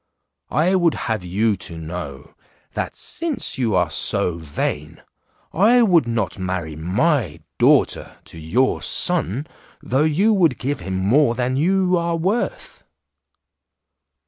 I would have you to know, that since you are so vain, I would not marry my daughter to your son though you would give him more than you are worth."